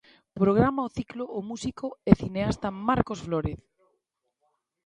Programa o ciclo o músico e cineasta Marcos Flórez.